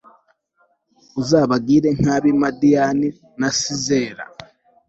uzabagire nk'ab'i madiyani na sizera